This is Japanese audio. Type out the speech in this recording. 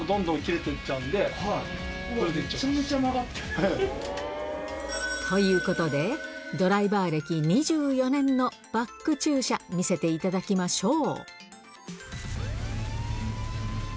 めちゃめちゃ曲がってる。ということで、ドライバー歴２４年のバック駐車、見せていただきましょう。